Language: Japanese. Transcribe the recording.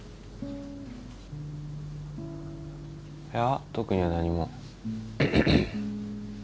いや特には何も。